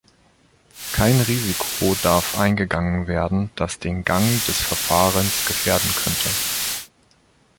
Kein Risiko darf eingegangen werden, das den Gang des Verfahrens gefährden könnte.